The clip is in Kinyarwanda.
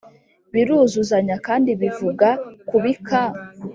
biruzuzanya kandi bivuga kubika